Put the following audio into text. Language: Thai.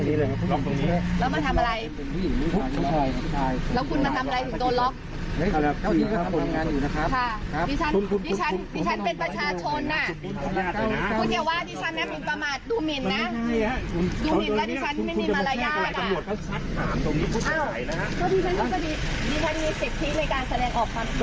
อำเภอโพธาราม